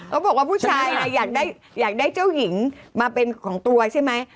เขาบอกว่าผู้ชายอยากได้เจ้าหญิงมาเป็นของตัวใช่ไหม